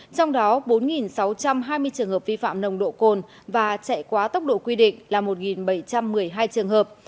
trong đó bốn sáu trăm hai mươi trường hợp vi phạm nồng độ cồn và chạy quá tốc độ quy định là một bảy trăm một mươi hai trường hợp